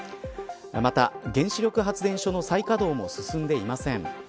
また、原子力発電所の再稼働も進んでいません。